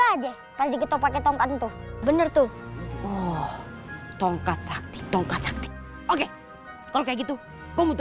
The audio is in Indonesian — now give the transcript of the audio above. aja tadi kita pakai tongkat itu bener tuh oh tongkat sakti tongkat sakti oke kalau gitu